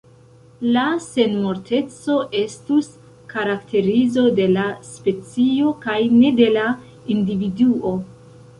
La senmorteco estus karakterizo de la specio kaj ne de la individuo.